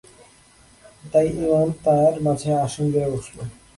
তাই ঈমান তাঁর মাঝে আসন গেড়ে বসল।